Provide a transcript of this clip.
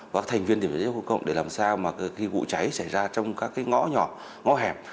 và thành viên điểm chữa cháy công cộng để làm sao vụ cháy xảy ra trong các ngõ nhỏ ngõ hẹp